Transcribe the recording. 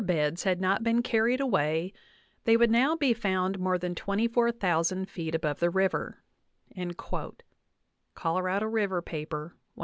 VIII beds had not been carried away they would now be found more than % twenty four thousand feet above the river" (Colorado River, 152, 153).